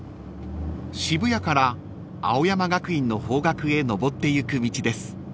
［渋谷から青山学院の方角へ上っていく道です］